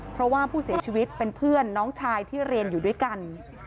เพราะว่าผู้เสียชีวิตเป็นเพื่อนน้องชายที่เรียนอยู่ด้วยกัน